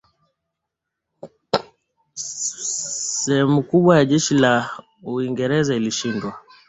sehemu kubwa ya jeshi la Uingereza ilishindwa